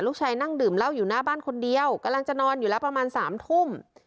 นั่งดื่มเหล้าอยู่หน้าบ้านคนเดียวกำลังจะนอนอยู่แล้วประมาณ๓ทุ่ม